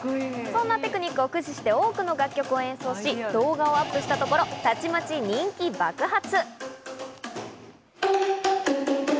そんなテクニックを駆使して多くの楽曲を演奏し、動画をアップしたところ、たちまち人気爆発！